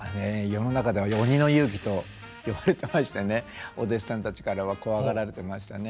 世の中では「鬼の雄輝」と呼ばれてましてねお弟子さんたちからは怖がられてましたね。